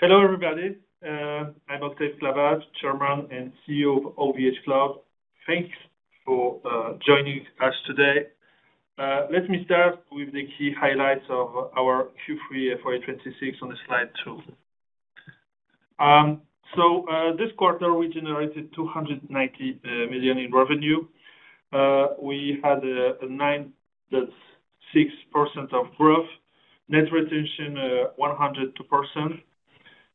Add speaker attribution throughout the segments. Speaker 1: Hello, everybody. I'm Octave Klaba, Chairman and CEO of OVHcloud. Thanks for joining us today. Let me start with the key highlights of our Q3 FY 2026 on slide two. This quarter, we generated 290 million in revenue. We had a 9.6% of growth. Net retention, 102%.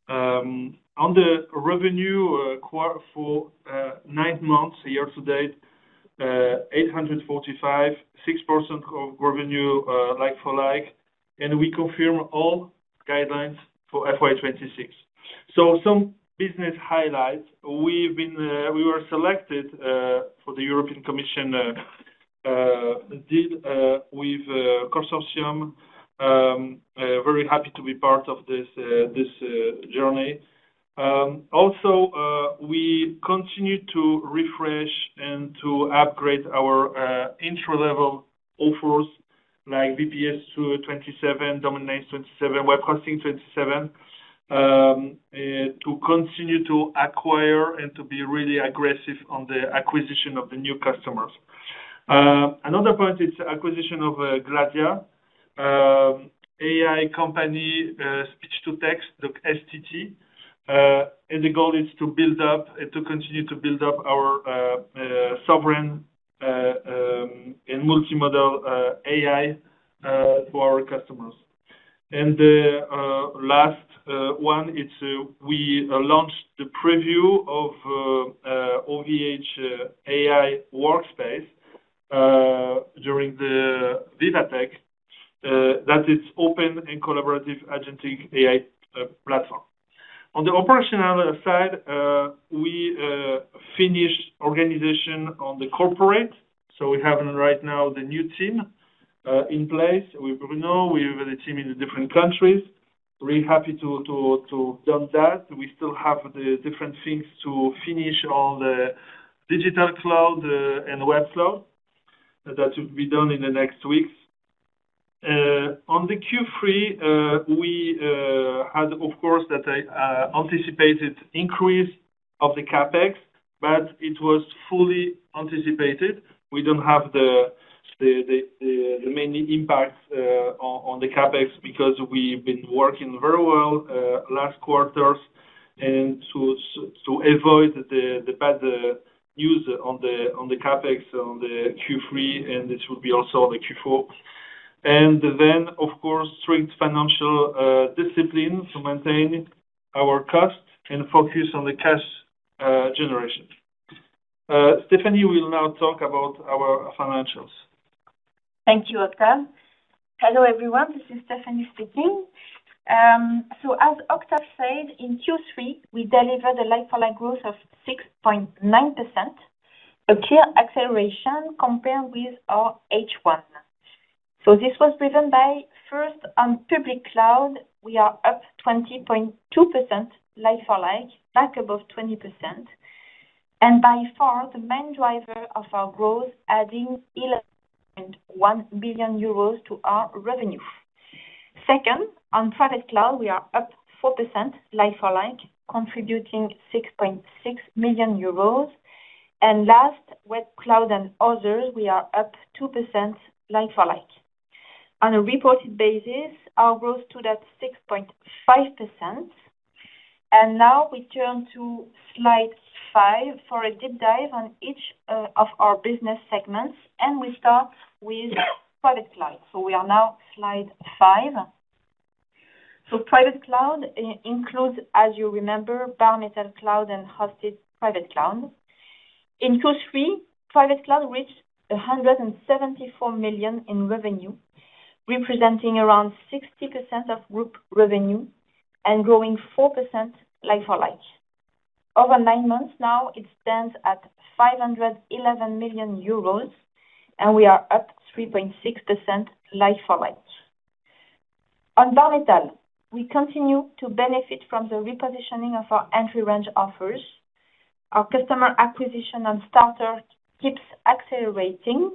Speaker 1: On the revenue for nine months year-to-date, 845 million, 6% of revenue like-for-like, we confirm all guidelines for FY 2026. Some business highlights. We were selected for the European Commission deal with consortium. Very happy to be part of this journey. Also, we continue to refresh and to upgrade our intro level offers like VPS 2027, Domain Names 2027, Web Hosting 2027, to continue to acquire and to be really aggressive on the acquisition of the new customers. Another point is acquisition of Gladia, AI company speech-to-text, the STT. The goal is to continue to build up our sovereign and multimodal AI for our customers. The last one, we launched the preview of OVHai Workspace during the Data Tech. That is open and collaborative agentic AI platform. On the operational side, we finished organization on the corporate. We have right now the new team in place with Bruno. We have the team in the different countries. Really happy to have done that. We still have the different things to finish on the Digital Cloud and Web Cloud. That will be done in the next weeks. On the Q3, we had, of course, that anticipated increase of the CapEx. It was fully anticipated. We don't have the main impact on the CapEx because we've been working very well last quarters. To avoid the bad news on the CapEx on the Q3. This will be also on the Q4. Of course, strict financial discipline to maintain our cost and focus on the cash generation. Stéphanie will now talk about our financials.
Speaker 2: Thank you, Octave. Hello, everyone. This is Stéphanie speaking. As Octave said, in Q3, we delivered a like-for-like growth of 6.9%, a clear acceleration compared with our H1. This was driven by first, on Public Cloud, we are up 20.2% like-for-like, back above 20%, the main driver of our growth, adding 11.1 billion euros to our revenue. Second, on Private Cloud, we are up 4% like-for-like, contributing 6.6 million euros. Last, with Cloud and others, we are up 2% like-for-like. On a reported basis, our growth stood at 6.5%. Now we turn to slide five for a deep dive on each of our business segments. We start with Private Cloud. We are now slide five. Private Cloud includes, as you remember, Bare Metal Cloud and Hosted Private Cloud. In Q3, Private Cloud reached 174 million in revenue, representing around 60% of group revenue and growing 4% like-for-like. Over nine months now, it stands at 511 million euros, and we are up 3.6% like-for-like. On Bare Metal, we continue to benefit from the repositioning of our entry range offers. Our customer acquisition on starter keeps accelerating,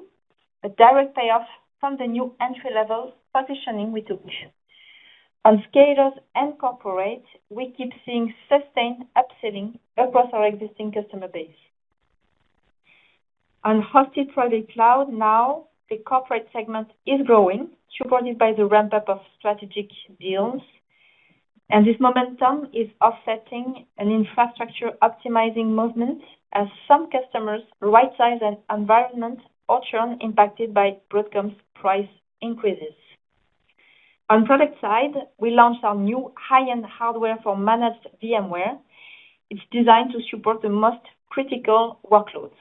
Speaker 2: a direct payoff from the new entry-level positioning we took. On Scalers and Corporate, we keep seeing sustained upselling across our existing customer base. On Hosted Private Cloud now, the Corporate segment is growing, supported by the ramp-up of strategic deals. This momentum is offsetting an infrastructure optimizing movement as some customers right-size an environment or churn impacted by Broadcom's price increases. On product side, we launched our new high-end hardware for Managed VMware. It is designed to support the most critical workloads.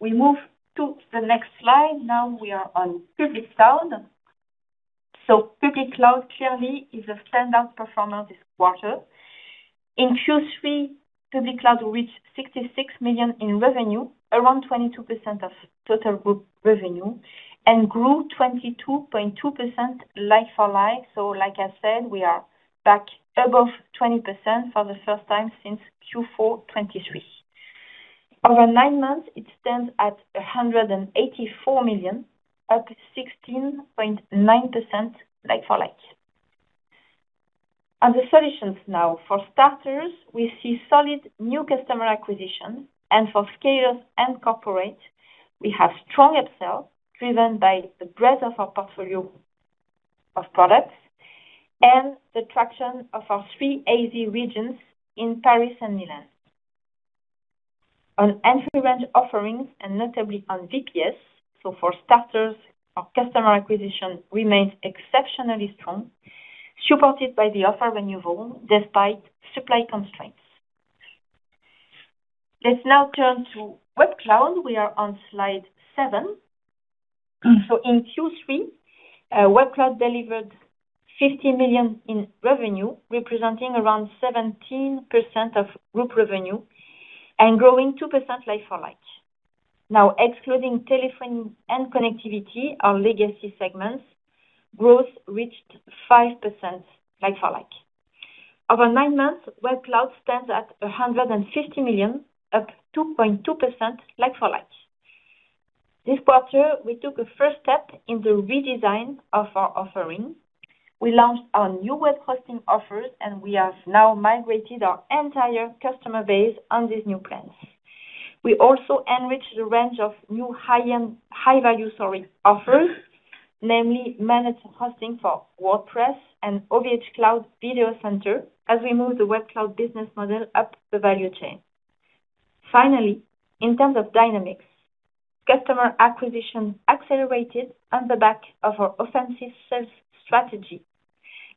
Speaker 2: We move to the next slide. We are on Public Cloud. Public Cloud clearly is a standout performer this quarter. In Q3, Public Cloud reached 66 million in revenue, around 22% of total group revenue, and grew 22.2% like-for-like. Like I said, we are back above 20% for the first time since Q4 2023. Over nine months, it stands at 184 million, up 16.9% like-for-like. On the solutions now. For starters, we see solid new customer acquisition, and for scales and Corporate, we have strong upsells driven by the breadth of our portfolio of products and the traction of our 3 AZ regions in Paris and Milan. On entry range offerings and notably on VPS. For starters, our customer acquisition remains exceptionally strong, supported by the offer renewal despite supply constraints. Let us now turn to WebCloud. We are on slide seven. In Q3, WebCloud delivered 50 million in revenue, representing around 17% of group revenue and growing 2% like-for-like. Excluding telephony and connectivity, our legacy segments growth reached 5% like-for-like. Over nine months, WebCloud stands at 150 million, up 2.2% like-for-like. This quarter, we took a first step in the redesign of our offering. We launched our new web hosting offers, and we have now migrated our entire customer base on these new plans. We also enriched the range of new high-value offering, namely managed hosting for WordPress and OVHcloud Video Center, as we move the WebCloud business model up the value chain. Finally, in terms of dynamics, customer acquisition accelerated on the back of our offensive sales strategy,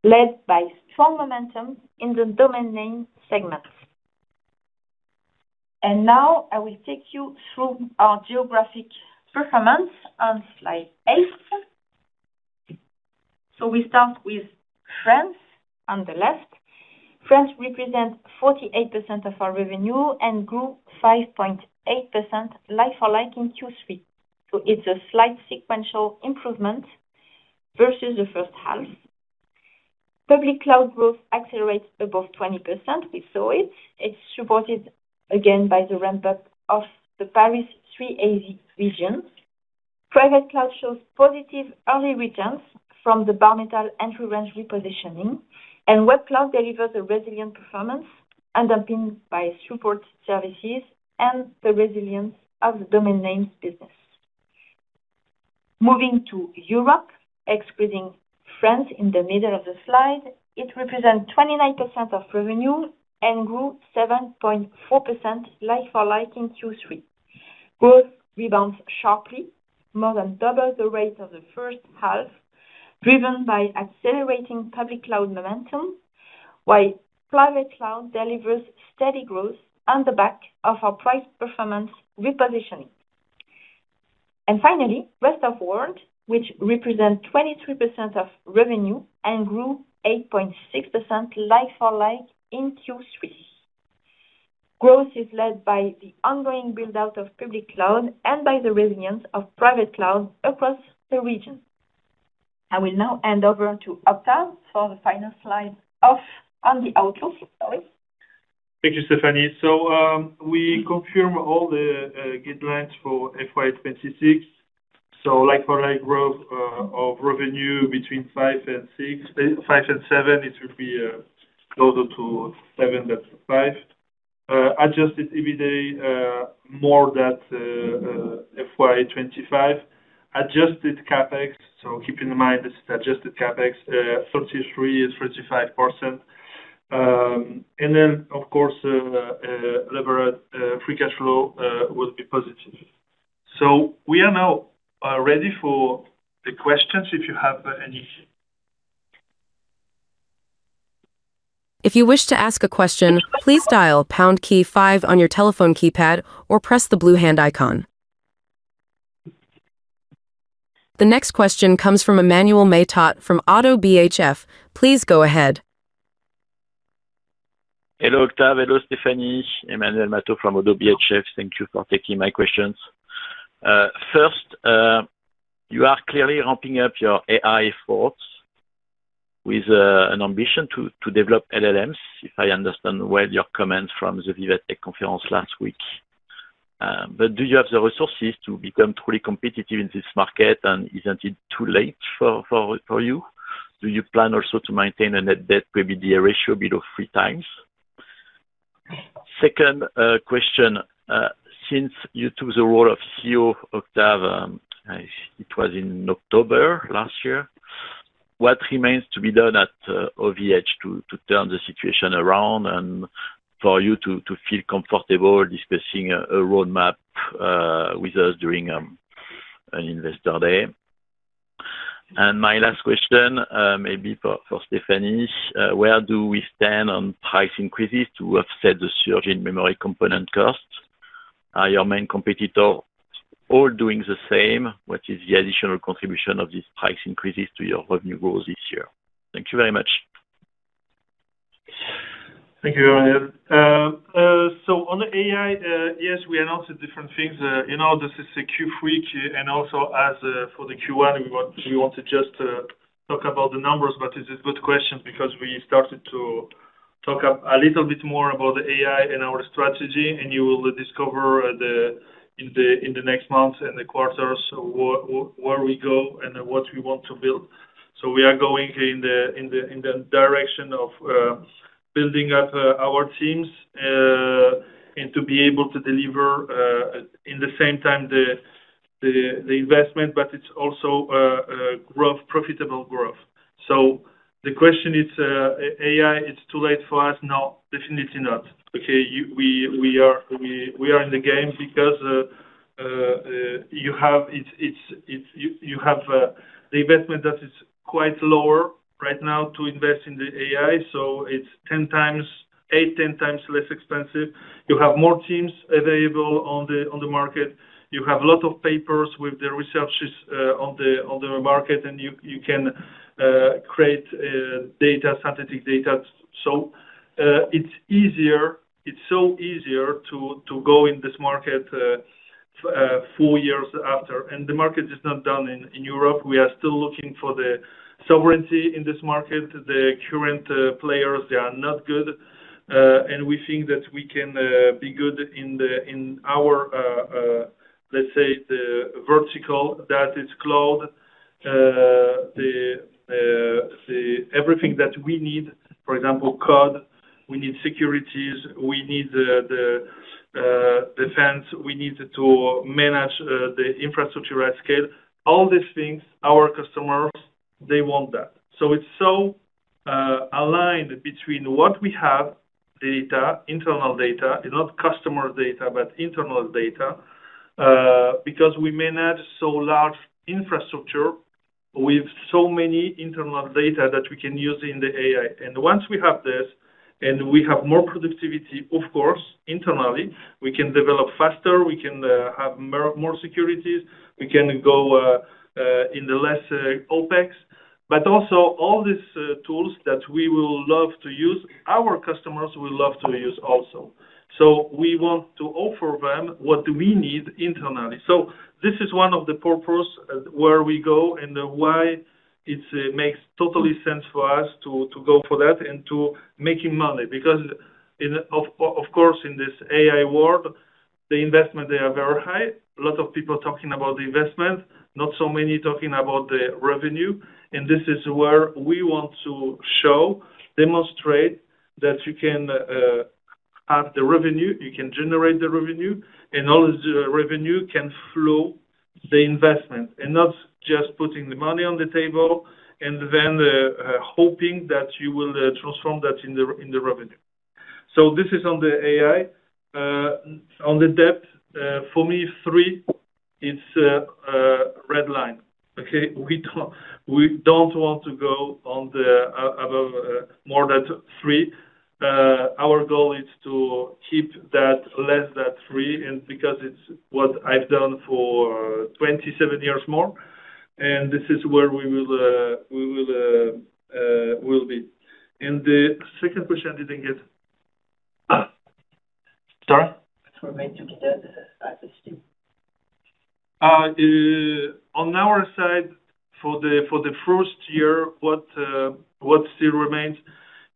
Speaker 2: led by strong momentum in the domain name segment. I will take you through our geographic performance on slide eight. We start with France on the left. France represents 48% of our revenue and grew 5.8% like-for-like in Q3. It is a slight sequential improvement versus the first half. Public Cloud growth accelerates above 20%. We saw it. It is supported, again, by the ramp-up of the Paris 3 AZ region. Private Cloud shows positive early returns from the Bare Metal entry range repositioning, and WebCloud delivers a resilient performance underpinned by support services and the resilience of the domain names business. Moving to Europe, excluding France in the middle of the slide, it represents 29% of revenue and grew 7.4% like-for-like in Q3. Growth rebounds sharply, more than double the rate of the first half, driven by accelerating Public Cloud momentum, while Private Cloud delivers steady growth on the back of our price-performance repositioning. Finally, rest of world, which represents 23% of revenue and grew 8.6% like-for-like in Q3. Growth is led by the ongoing build-out of Public Cloud and by the resilience of Private Cloud across the region. I will now hand over to Octave for the final slide on the outlook. Sorry.
Speaker 1: Thank you, Stéphanie. We confirm all the guidelines for FY 2026. Like-for-like growth of revenue between five and seven. It will be closer to seven than five. Adjusted EBITDA, more than FY 2025. Adjusted CapEx, keep in mind, this is adjusted CapEx, 33% and 35%. Then, of course, levered free cash flow will be positive. We are now ready for the questions if you have any.
Speaker 3: If you wish to ask a question, please dial pound key five on your telephone keypad or press the blue hand icon. The next question comes from Emmanuel Matot from Oddo BHF. Please go ahead.
Speaker 4: Hello, Octave. Hello, Stéphanie. Emmanuel Matot from Oddo BHF. Thank you for taking my questions. First, you are clearly ramping up your AI thoughts with an ambition to develop LLMs, if I understand well your comments from the VivaTech conference last week. Do you have the resources to become truly competitive in this market, and isn't it too late for you? Do you plan also to maintain a net debt maybe a ratio below 3x? Second question, since you took the role of CEO, Octave, it was in October last year. What remains to be done at OVH to turn the situation around and for you to feel comfortable discussing a roadmap with us during an Investor Day? My last question, maybe for Stéphanie, where do we stand on price increases to offset the surge in memory component costs? Are your main competitor all doing the same? What is the additional contribution of these price increases to your revenue growth this year? Thank you very much.
Speaker 1: Thank you, Emmanuel. On AI, yes, we announced different things. This is a Q3. Also as for the Q1, we want to just talk about the numbers. It's a good question because we started to talk a little bit more about the AI and our strategy. You will discover in the next month, in the quarters, where we go and what we want to build. We are going in the direction of building up our teams and to be able to deliver in the same time the investment, but it's also profitable growth. The question is, AI, it's too late for us? No, definitely not. Okay, we are in the game because you have the investment that is quite lower right now to invest in the AI, so it's 8x, 10x less expensive. You have more teams available on the market. You have a lot of papers with the researches on the market. You can create scientific data. It's so easier to go in this market four years after. The market is not done in Europe. We are still looking for the sovereignty in this market. The current players, they are not good. We think that we can be good in our, let's say, the vertical that is cloud. Everything that we need, for example, code, we need securities, we need the defense, we need to manage the infrastructure at scale. All these things, our customers, they want that. It's so aligned between what we have, data, internal data, not customer data, but internal data, because we manage so large infrastructure with so many internal data that we can use in the AI. Once we have this, and we have more productivity, of course, internally, we can develop faster, we can have more securities, we can go in the less OpEx. Also all these tools that we will love to use, our customers will love to use also. We want to offer them what we need internally. This is one of the purpose where we go and why it makes totally sense for us to go for that and to making money. Of course, in this AI world, the investment, they are very high. A lot of people talking about the investment, not so many talking about the revenue. This is where we want to show, demonstrate that you can have the revenue, you can generate the revenue, and all the revenue can flow the investment. Not just putting the money on the table and then hoping that you will transform that in the revenue. This is on the AI. On the debt, for me, three, it's a red line. Okay. We don't want to go above more than three. Our goal is to keep that less than three, because it's what I've done for 27 years more, and this is where we will be. The second question, I didn't get. Sorry.
Speaker 4: What remains to be done at this stage?
Speaker 1: On our side, for the first year, what still remains,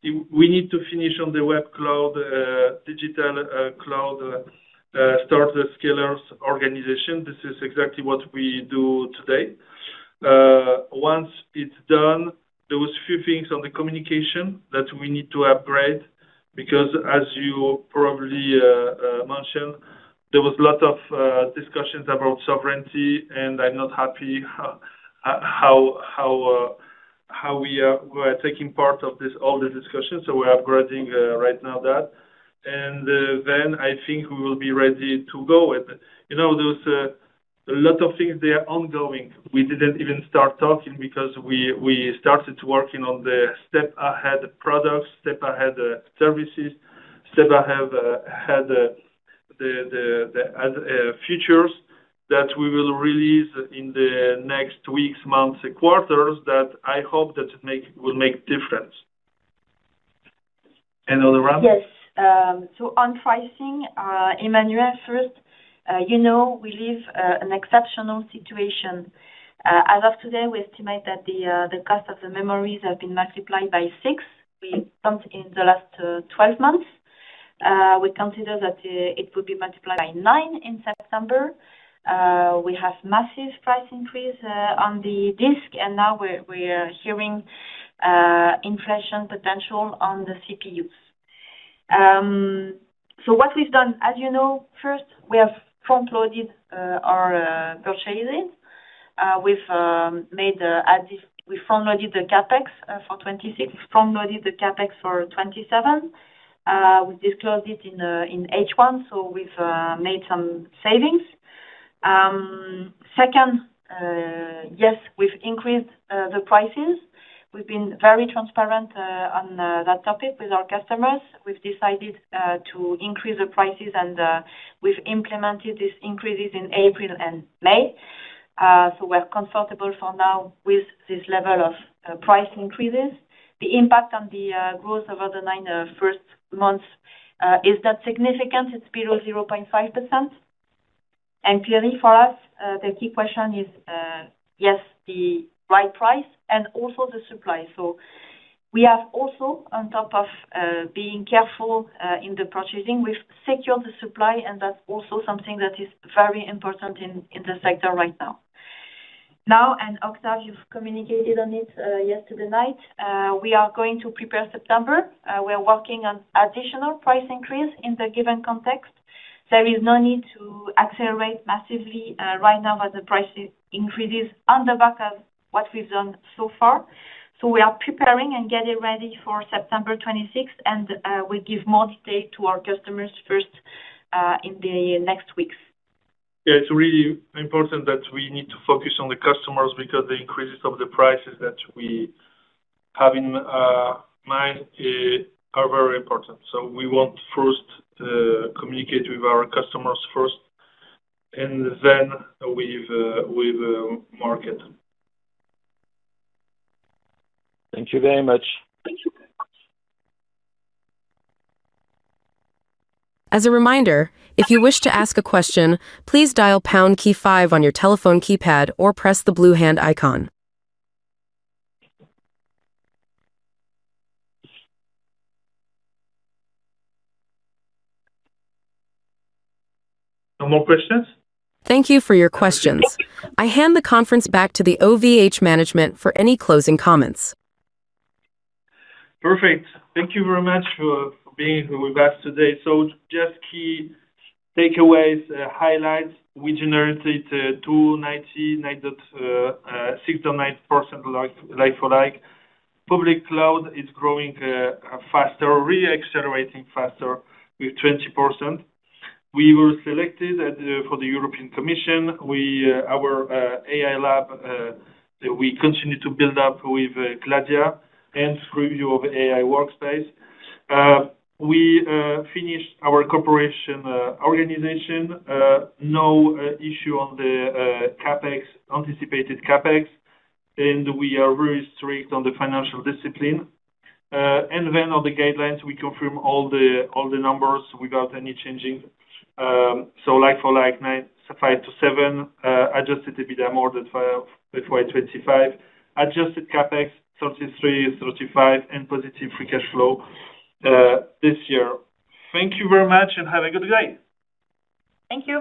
Speaker 1: we need to finish on the Web Cloud, Digital Cloud starters, scalers, organization. This is exactly what we do today. Once it's done, there was few things on the communication that we need to upgrade, because as you probably mentioned, there was lot of discussions about sovereignty, and I'm not happy how we are taking part of all the discussions. We are upgrading right now that. Then I think we will be ready to go. There's a lot of things, they are ongoing. We didn't even start talking because we started working on the step-ahead products, step-ahead services, step-ahead features that we will release in the next weeks, months, quarters that I hope that it will make difference. [And on]?
Speaker 2: Yes. On pricing, Emmanuel first. You know we live an exceptional situation. As of today, we estimate that the cost of the memories have been 6x. We count in the last 12 months. We consider that it will be 9x in September. We have massive price increase on the disk, and now we are hearing inflation potential on the CPUs. What we've done, as you know, first, we have front-loaded our purchasing. We've front-loaded the CapEx for 2026, front-loaded the CapEx for 2027. We disclosed it in H1, we've made some savings. Second, yes, we've increased the prices. We've been very transparent on that topic with our customers. We've decided to increase the prices, and we've implemented these increases in April and May. We're comfortable for now with this level of price increases. The impact on the growth over the nine first months is not significant. It's below 0.5%. Clearly for us, the key question is, yes, the right price and also the supply. We have also, on top of being careful in the purchasing, we've secured the supply, and that's also something that is very important in the sector right now. Now, and Octave, you've communicated on it yesterday night, we are going to prepare September. We are working on additional price increase in the given context. There is no need to accelerate massively right now as the price increase is on the back of what we've done so far. We are preparing and getting ready for September 26th, and we give more detail to our customers first in the next weeks.
Speaker 1: Yeah, it's really important that we need to focus on the customers because the increases of the prices that we have in mind are very important. We want first to communicate with our customers first, and then with the market.
Speaker 4: Thank you very much.
Speaker 1: Thank you.
Speaker 3: As a reminder, if you wish to ask a question, please dial pound key five on your telephone keypad or press the blue hand icon.
Speaker 1: No more questions?
Speaker 3: Thank you for your questions. I hand the conference back to the OVH management for any closing comments.
Speaker 1: Perfect. Thank you very much for being with us today. Just key takeaways, highlights. We generated EUR 290 million, 9.69% like-for-like. Public Cloud is growing faster, really accelerating faster with 20%. We were selected for the European Commission. Our AI lab that we continue to build up with Gladia, end preview of OVHai Workspace. We finished our corporation organization. No issue on the anticipated CapEx, and we are very strict on the financial discipline. On the guidelines, we confirm all the numbers without any changing. Like-for-like, 9.5%-9.7%. Adjusted EBITDA more than FY 2025. Adjusted CapEx, 33% and 35%, and positive free cash flow this year. Thank you very much and have a good day.
Speaker 2: Thank you